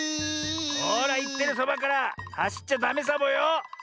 ほらいってるそばからはしっちゃダメサボよ！